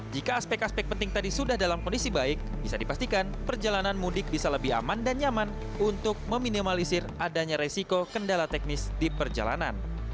jika aspek aspek penting tadi sudah dalam kondisi baik bisa dipastikan perjalanan mudik bisa lebih aman dan nyaman untuk meminimalisir adanya resiko kendala teknis di perjalanan